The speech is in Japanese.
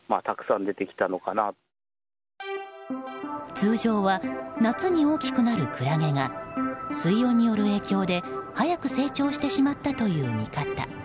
通常は夏に大きくなるクラゲが水温による影響で早く成長してしまったという見方。